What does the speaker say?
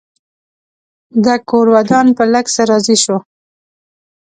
ده کور ودان په لږ څه راضي شو.